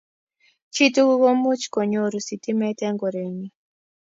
chitokol komuch konyoru sitimet en korenyii